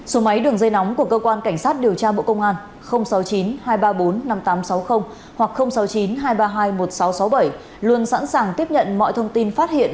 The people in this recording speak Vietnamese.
số máy đường dây nóng của cơ quan cảnh sát điều tra bộ công an sáu mươi chín hai trăm ba mươi bốn năm nghìn tám trăm sáu mươi hoặc sáu mươi chín hai trăm ba mươi hai một nghìn sáu trăm sáu mươi bảy luôn sẵn sàng tiếp nhận mọi thông tin phát hiện